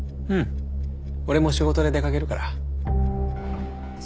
俺も仕事で出かけるから。